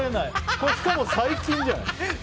これ、しかも最近じゃない？